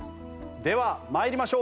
では参りましょう。